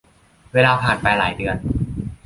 เวลาผ่านไปหลายเดือน